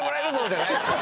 じゃないですよ